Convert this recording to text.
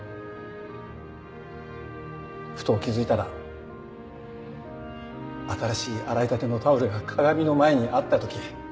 ふと気付いたら新しい洗いたてのタオルが鏡の前にあったとき。